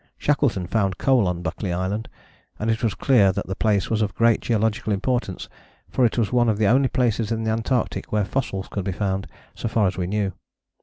Shackleton found coal on Buckley Island, and it was clear that the place was of great geological importance, for it was one of the only places in the Antarctic where fossils could be found, so far as we knew.